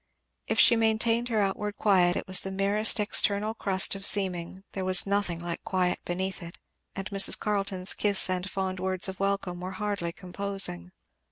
If she maintained her outward quiet it was the merest external crust of seeming; there was nothing like quiet beneath it; and Mrs. Carleton's kiss and fond words of welcome were hardly composing.